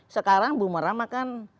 sekarang bu morang makan